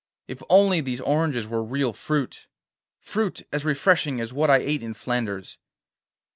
'If only these oranges were real fruit—fruit as refreshing as what I ate in Flanders!